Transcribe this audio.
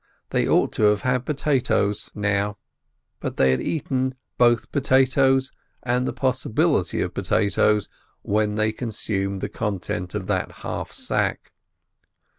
They ought to have had potatoes now, but they had eaten both potatoes and the possibility of potatoes when they consumed the contents of that half sack.